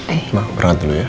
emak berangkat dulu ya